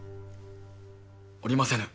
おりませぬ